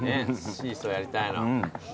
シーソーやりたいの。